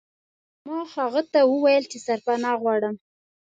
ما هغه ته وویل چې سرپناه غواړم.